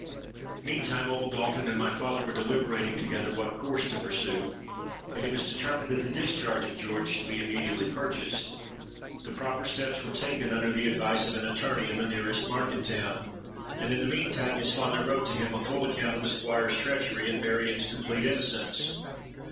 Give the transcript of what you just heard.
Meantime, old Dalton and my father were deliberating together what course to pursue; and it was determined that the discharge of George should be immediately purchased. The proper steps were taken, under the advice of an attorney in the nearest market town; and in the mean time his father wrote to him a full account of the Squire's treachery and Marion's complete innocence.